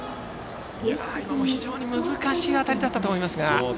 今も非常に難しい当たりだったと思いますが。